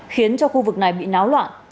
khiến cho khu vực này bị náo loạn